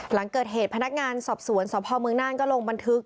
หลังเกิดเหตุพนักงานสอบสวนสพเมืองน่านก็ลงบันทึก